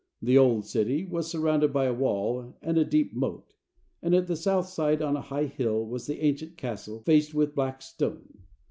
The old city was surrounded by a wall and a deep moat, and at the south side, on a high hill, was the ancient castle faced with black stone.